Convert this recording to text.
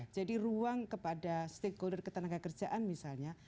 jadi ruang kepada stakeholder ketenagakerjaan misalnya